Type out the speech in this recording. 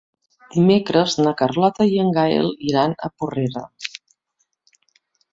Dimecres na Carlota i en Gaël iran a Porrera.